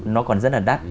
nó còn rất là đắt